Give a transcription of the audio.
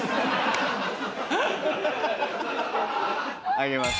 あげます。